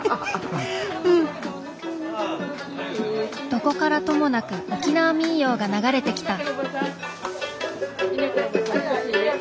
・どこからともなく沖縄民謡が流れてきた。